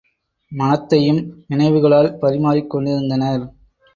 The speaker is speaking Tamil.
மனத்தையும் நினைவுகளால் பரிமாறிக் கொண்டிருந்தனர்.